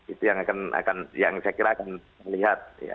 itu yang saya kira akan terlihat